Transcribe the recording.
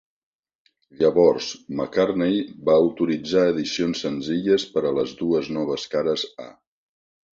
Llavors, McCartney va autoritzar edicions senzilles per a les dues noves cares A.